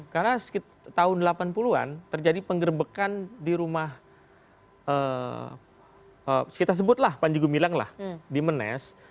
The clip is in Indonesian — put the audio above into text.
karena tahun delapan puluh an terjadi penggerbekan di rumah kita sebutlah panjago milang lah di menes